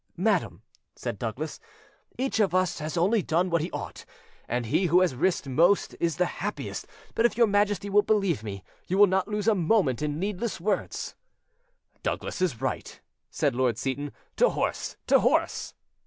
"Madam," said Douglas, "each of us has only done what he ought, and he who has risked most is the happiest. But if your Majesty will believe me, you will not lose a moment in needless words." "Douglas is right," said Lord Seyton. "To horse! to horse!"